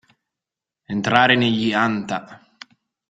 Entrare negli anta.